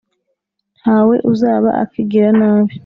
Nta we uzaba akigira nabi,